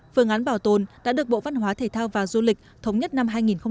phương án bảo tồn đã được bộ văn hóa thể thao và du lịch thống nhất năm hai nghìn một mươi chín